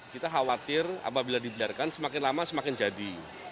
kita khawatir apabila dibiarkan semakin lama semakin jadi